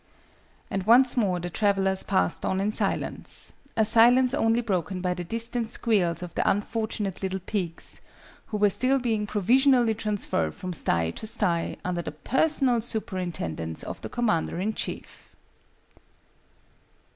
And once more the travellers passed on in silence a silence only broken by the distant squeals of the unfortunate little pigs, who were still being provisionally transferred from sty to sty, under the personal superintendence of the Commander in Chief.